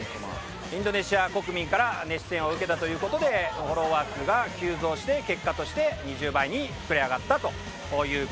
インドネシア国民から熱視線を受けたという事でフォロワー数が急増して結果として２０倍に膨れ上がったという事でした。